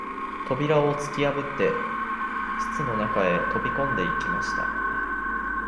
扉をつきやぶって室の中に飛び込んできました